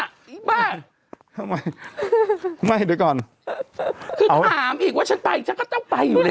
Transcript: อีบ้าทำไมไม่เดี๋ยวก่อนคือถามอีกว่าฉันไปฉันก็ต้องไปอยู่แล้ว